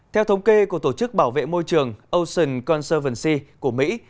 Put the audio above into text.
theo thống kê của tổ chức bảo vệ môi trường ocean conservancy của mỹ